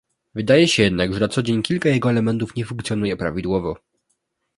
Wydaje się jednak, że na co dzień kilka jego elementów nie funkcjonuje prawidłowo